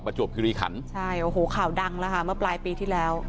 จวบคิริขันใช่โอ้โหข่าวดังแล้วค่ะเมื่อปลายปีที่แล้ว